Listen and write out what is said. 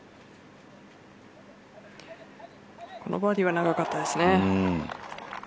このバーディーは長かったですね。